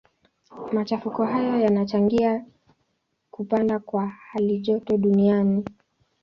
Machafuko hayo yanachangia kupanda kwa halijoto duniani.